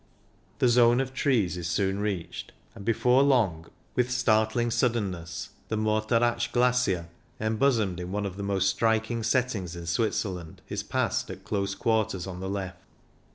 The zone of trees is soon reached, and before long. THE BERNINA 51 with startling suddenness, the Morteratsch Glacier, embosomed in one of the most striking settings in Switzerland, is passed at close quarters on the left.